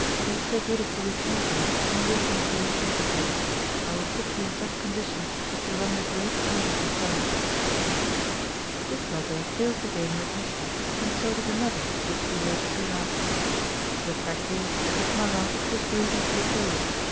Be so good as to receive me and give me a brief interview. I will put you in such condition as to render great service to France. This letter failed to gain her admission, and so did another which she wrote soon after. The fact is that Marat was grievously ill.